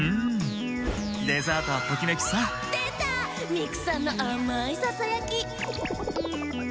ミクさんのあまいささやき！